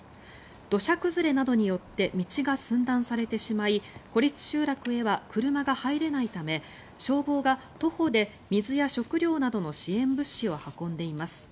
土砂崩れなどによって道が寸断されてしまい孤立集落へは車が入れないため消防が徒歩で水や食料などの支援物資を運んでいます。